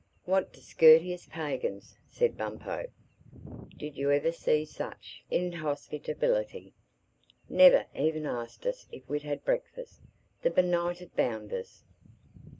"What discourteous pagans!" said Bumpo. "Did you ever see such inhospitability?—Never even asked us if we'd had breakfast, the benighted bounders!"